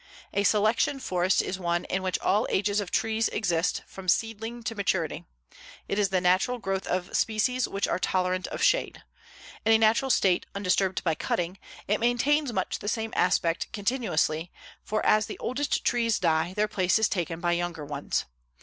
A selection forest is one in which all ages of trees exist, from seedling to maturity. It is the natural growth of species which are tolerant of shade. In a natural state, undisturbed by cutting, it maintains much the same aspect continuously, for as the oldest trees die, their place is taken by younger ones.